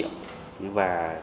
vũ vây vây vây vây vây vây